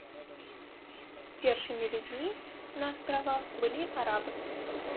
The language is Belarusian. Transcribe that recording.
Першымі людзьмі на астравах былі арабы.